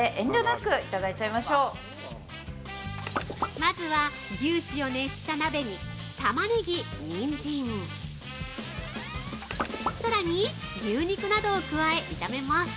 まずは、牛脂を熱した鍋にタマネギ、ニンジン、さらに牛肉などを加え、炒めます。